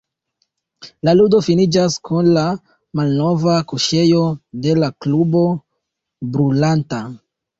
La ludo finiĝas kun la malnova kuŝejo de la klubo brulanta.